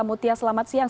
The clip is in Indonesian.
mutia selamat siang